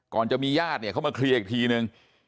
ก่อนจะมีญาติเข้ามาเคลียร์อีกทีนึง